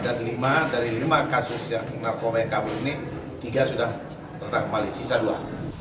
dan dari lima kasus narkoba yang kabur ini tiga sudah tertangkap sisa dua